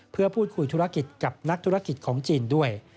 เพื่อพูดคุยธุรกิจกับนักธุรกิจของจีนด้วย